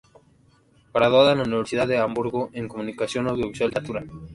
Graduada en la Universidad de Hamburgo en comunicación audiovisual y literatura Italiana.